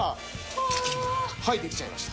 はいできちゃいました。